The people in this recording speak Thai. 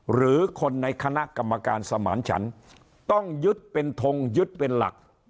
หรือคนในคณะกรรมการสมานฉันต้องยึดเป็นทงยึดเป็นหลัก